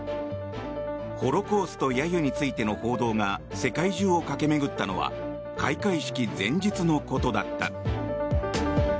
ホロコースト揶揄についての報道が世界中を駆け巡ったのは開会式前日のことだった。